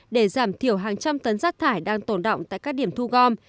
để giảm thiểu hàng trăm tấn rác thải đang tồn động tại các điểm thu gom